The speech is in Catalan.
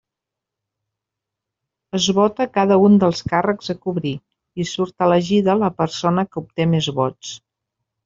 Es vota cada un dels càrrecs a cobrir, i surt elegida la persona que obté més vots.